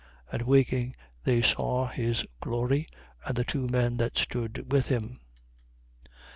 And waking, they saw his glory and the two men that stood with him.